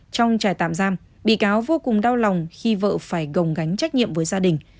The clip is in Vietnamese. trong trại tạm giam bị cáo vô cùng đau lòng khi vợ phải gồng gánh trách nhiệm với gia đình